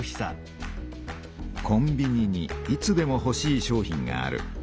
コンビニにいつでもほしい商品がある。